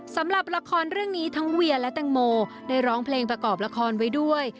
สำหรับละครเรื่องนี้ทั้งเวียและแตงโมได้ร้องเพลงประกอบละครไว้ด้วย